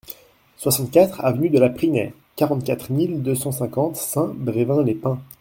soixante-quatre avenue de la Prinais, quarante-quatre mille deux cent cinquante Saint-Brevin-les-Pins